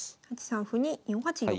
８三歩に４八玉。